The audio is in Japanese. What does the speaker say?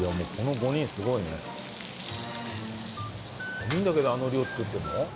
５人だけであの量作ってるの？